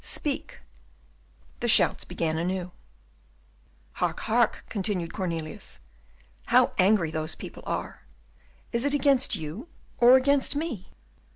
"Speak!" The shouts began anew. "Hark, hark!" continued Cornelius, "how angry those people are! Is it against you, or against me?"